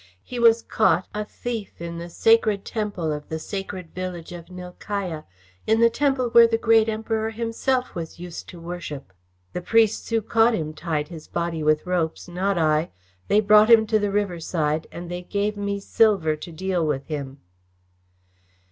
He was caught, a thief in the sacred temple of the sacred village of Nilkaya, in the temple where the Great Emperor himself was used to worship. The priests who caught him tied his body with ropes not I. They brought him to the riverside, and they gave me silver to deal with him."